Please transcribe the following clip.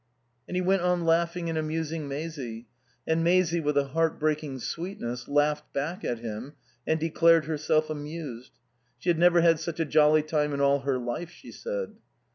And he went on laughing and amusing Maisie; and Maisie, with a heart breaking sweetness, laughed back at him and declared herself amused. She had never had such a jolly time in all her life, she said.